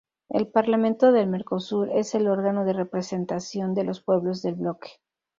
El Parlamento del Mercosur es el órgano de representación de los pueblos del bloque.